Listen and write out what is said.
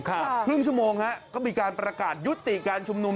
ครึ่งชั่วโมงฮะก็มีการประกาศยุติการชุมนุม